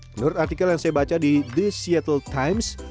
menurut artikel yang saya baca di the seattle times